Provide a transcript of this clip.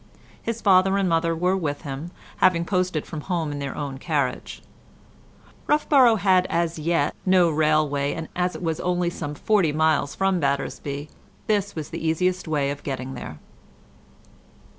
His father and mother were with him, having posted from home in their own carriage; Roughborough had as yet no railway, and as it was only some forty miles from Battersby, this was the easiest way of getting there.